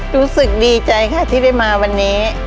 รู้สึกดีใจค่ะที่ได้มาวันนี้